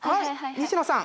西野さん。